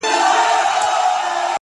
لږه توده سومه زه _